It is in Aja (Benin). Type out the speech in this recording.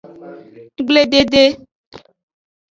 Nggbledede.